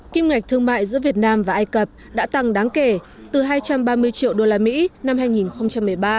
kim cạch thương mại giữa việt nam và ai cập đã tăng đáng kể từ hai trăm ba mươi triệu đô la mỹ năm hai nghìn một mươi ba